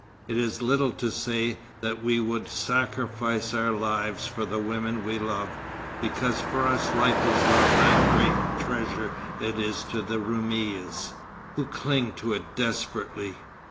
It is little to say that we would sacrifice our lives for the women we love, because for us life is not that great treasure it is to the Roumis, who cling to it desperately.